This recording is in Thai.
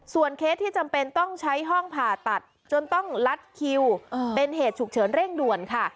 เคสที่จำเป็นต้องใช้ห้องผ่าตัดจนต้องลัดคิวเป็นเหตุฉุกเฉินเร่งด่วนค่ะ